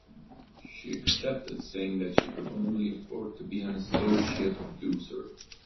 She accepted, saying that she could only "afford" to be an associate producer.